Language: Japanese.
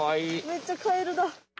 めっちゃカエルだ。